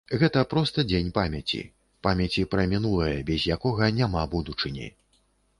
Гэта проста дзень памяці, памяці пра мінулае, без якога няма будучыні.